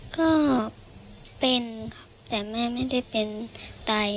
ก็เป็นครับแต่แม่ไม่ได้เป็นไต